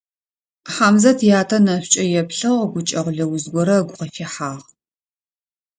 Хьамзэт ятэ нэшӀукӀэ еплъыгъ, гукӀэгъу лыуз горэ ыгу къыфихьагъ.